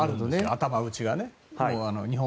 頭打ちがね。